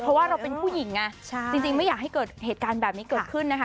เพราะว่าเราเป็นผู้หญิงไงจริงไม่อยากให้เกิดเหตุการณ์แบบนี้เกิดขึ้นนะคะ